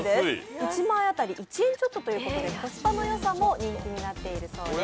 １枚当たり１円ちょっとということでコスパのよさも人気になっているそうです。